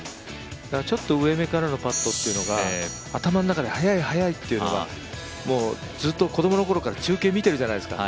ちょっと上めからのパットということが頭の中で速い速いというのがもうずっと子供のころから中継見てるじゃないですか